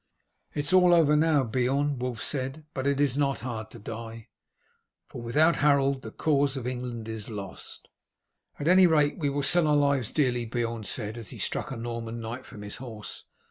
"It is all over now, Beorn," Wulf said. "But it is not hard to die, for with Harold the cause of England is lost." "At any rate we will sell our lives dearly," Beorn said, as he struck a Norman knight from his horse.